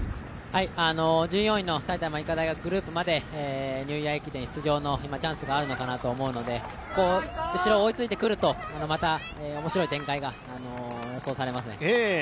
１４位の埼玉医科大学グループまで、今、ニューイヤー駅伝出場のチャンスがあるのかなと思いますので、後ろを追いついてくるとまた面白い展開が予想されますね。